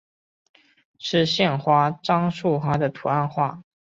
是县花樟树花的图案化。